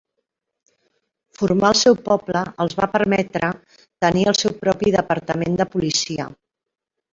Formar el seu poble els va permetre tenir el seu propi departament de policia.